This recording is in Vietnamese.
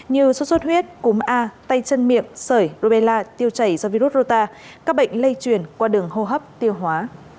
như suốt suốt huyết cúm a tay chân miệng sởi rubella tiêu chảy do virus rota các bệnh lây chuyển qua đường hô hấp tiêu hóa